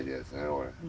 これ。